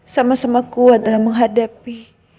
sama sama kuat dalam menghadapi